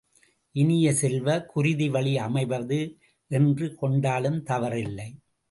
இனிய செல்வ, குருதி வழி அமைவது என்று கொண்டாலும் தவறில்லை.